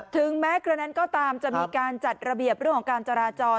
ถึงแม้กระนั้นก็ตามจะมีการจัดระเบียบเรื่องของการจราจร